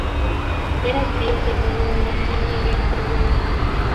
Era tío segundo de Martín Miguel de Güemes.